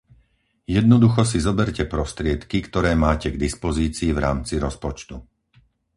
Jednoducho si zoberte prostriedky, ktoré máte k dispozícii v rámci rozpočtu.